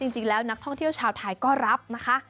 จริงแล้วนักท่องเที่ยวชาวไทยก็รับนะคะ